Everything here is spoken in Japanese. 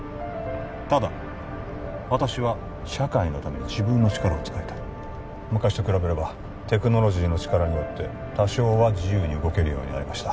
ただ私は社会のために自分の力を使いたい昔と比べればテクノロジーの力によって多少は自由に動けるようになりました